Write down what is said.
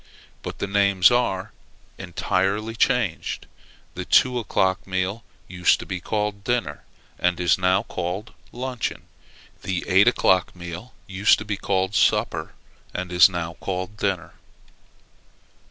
But the names are entirely changed: the two o'clock meal used to be called dinner, and is now called luncheon; the eight o'clock meal used to be called supper, and is now called dinner.